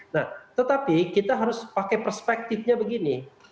nah tetapi kita harus pakai perspektifnya begini